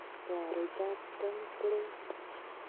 واردات کم کړئ